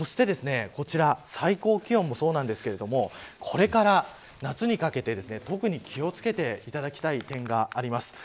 そしてこちら最高気温もそうなんですがこれから夏にかけて特に気を付けていただきたい点があります。